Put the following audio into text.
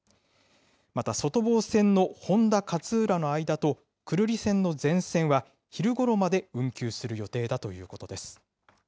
また、外房線の誉田・勝浦の間と久留里線の全線は、昼ごろまで運休する予定だということです。